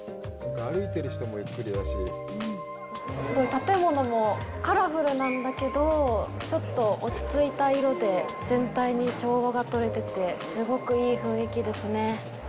建物も、カラフルなんだけど、ちょっと落ち着いた色で、全体に調和が取れてて、すごくいい雰囲気ですね。